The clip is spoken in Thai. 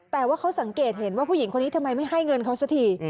แต่ว่าเขาสังเกตเห็นว่าผู้หญิงคนนี้ทำไมไม่ให้เงินเขาสักที